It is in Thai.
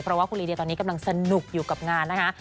เพราะว่าคุณลีเดียตอนนี้กำลังสนุกอยู่กับงานนะคะ